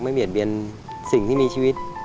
เบียดเบียนสิ่งที่มีชีวิต